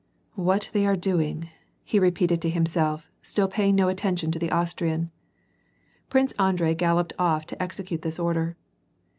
What they are doing," \ he repeated to himself, still paying no attention to the Austrian. Prince Andrei galloped off to execute this order.